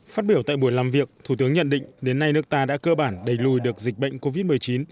phát biểu tại buổi làm việc thủ tướng nhận định đến nay nước ta đã cơ bản đầy lùi được dịch bệnh covid một mươi chín